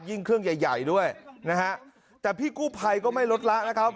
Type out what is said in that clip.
เครื่องใหญ่ใหญ่ด้วยนะฮะแต่พี่กู้ภัยก็ไม่ลดละนะครับ